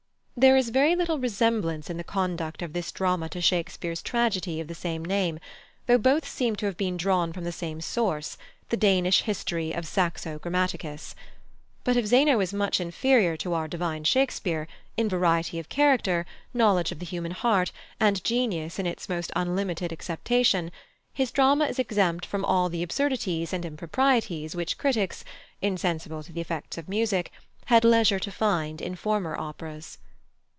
There is very little resemblance in the conduct of this drama to Shakespeare's tragedy of the same name, though both seem to have been drawn from the same source, the Danish history of Saxo Grammaticus. But if Zeno is much inferior to our divine Shakespeare, in variety of character, knowledge of the human heart, and genius in its most unlimited acceptation, his drama is exempt from all the absurdities and improprieties which critics, insensible to the effects of music, had leisure to find in former operas."